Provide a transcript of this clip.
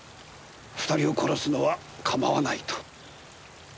２人を殺すのは構わないと。